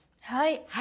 はい。